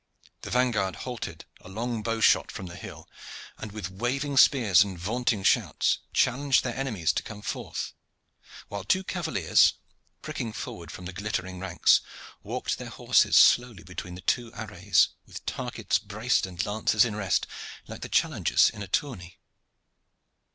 The vanguard halted a long bow shot from the hill, and with waving spears and vaunting shouts challenged their enemies to come forth, while two cavaliers, pricking forward from the glittering ranks, walked their horses slowly between the two arrays with targets braced and lances in rest like the challengers in a tourney.